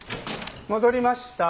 戻りました。